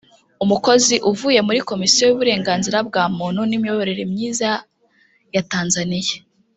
umukozi uvuye muri komisiyo y’uburenganzira bwa muntu n’imiyoborere myiza ya Tanzania